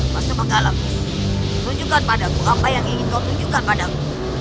masuk menggalang tunjukkan padaku apa yang ingin kau tunjukkan padaku